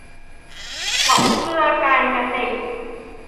เผาเพื่อการเกษตร